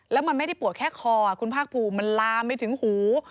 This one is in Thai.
แล้วมันไม่ได้ปวดแค่คอคุณภาคภูมิมันลามไปถึงหู